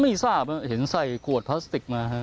ไม่ทราบเห็นใส่ขวดพลาสติกมา